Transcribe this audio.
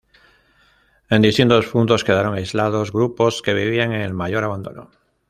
En distintos puntos quedaron aislados grupos que vivían en el mayor abandono.